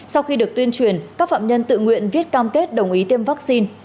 sau khi được tuyên truyền các phạm nhân tự nguyện viết cam kết đồng ý tiêm vaccine